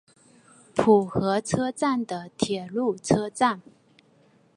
浦和车站的铁路车站。